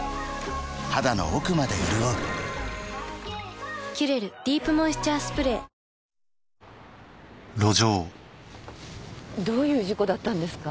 肌の奥まで潤う「キュレルディープモイスチャースプレー」どういう事故だったんですか？